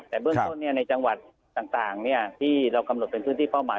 แต่เบื้องต้นในจังหวัดต่างที่เรากำหนดเป็นพื้นที่เป้าหมาย